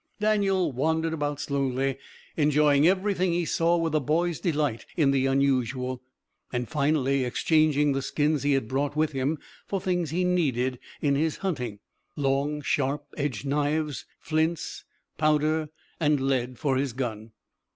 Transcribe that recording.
Daniel wandered about slowly, enjoying everything he saw with a boy's delight in the unusual, and finally exchanging the skins he had brought with him for things he needed in his hunting, long, sharp edged knives, flints, powder and lead for his gun.